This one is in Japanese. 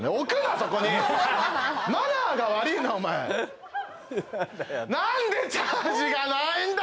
そこにマナーが悪いなお前なんでチャージがないんだ！？